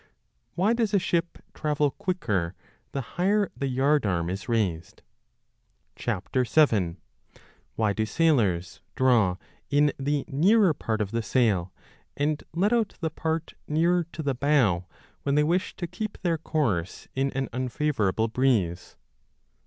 Why does a ship travel quicker the higher the yard arm is raised ? 7. Why do sailors draw in the nearer part of the sail and let out the part nearer to the bow when they wish to keep their course in an unfavourable breeze